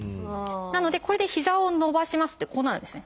なのでこれで膝を伸ばしますってこうなるんですね。